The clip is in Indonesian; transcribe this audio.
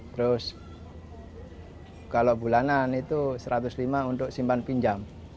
terus kalau bulanan itu satu ratus lima untuk simpan pinjam